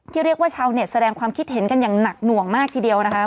เรียกว่าชาวเน็ตแสดงความคิดเห็นกันอย่างหนักหน่วงมากทีเดียวนะคะ